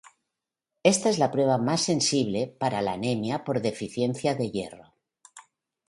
Esta es la prueba más sensible para la anemia por deficiencia de hierro.